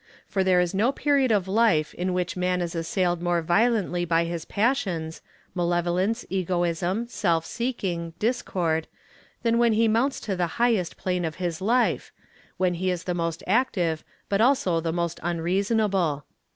For there is no period of life in which man is assailed more violently by his passions, malevolence, egoism, self seeking, discord, than when he mounts to the highest plane of his life, when he is the most active but also the most unreasonable.